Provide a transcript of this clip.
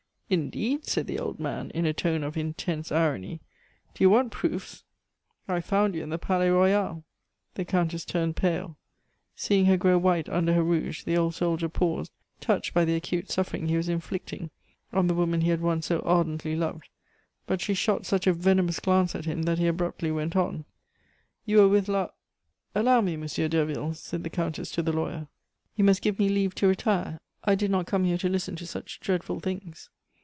"Indeed!" said the old man, in a tone of intense irony. "Do you want proofs? I found you in the Palais Royal " The Countess turned pale. Seeing her grow white under her rouge, the old soldier paused, touched by the acute suffering he was inflicting on the woman he had once so ardently loved; but she shot such a venomous glance at him that he abruptly went on: "You were with La " "Allow me, Monsieur Derville," said the Countess to the lawyer. "You must give me leave to retire. I did not come here to listen to such dreadful things."